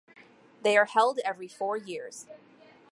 They are held every four years.